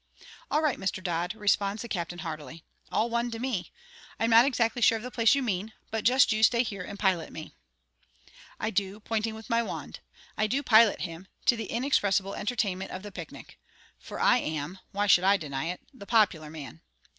"All right, Mr. Dodd," responds the captain, heartily; "all one to me. I am not exactly sure of the place you mean; but just you stay here and pilot me." I do, pointing with my wand. I do pilot him, to the inexpressible entertainment of the picnic; for I am (why should I deny it?) the popular man.